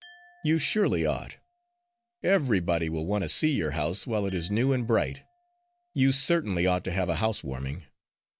"You surely ought. Everybody will want to see your house while it is new and bright. You certainly ought to have a house warming."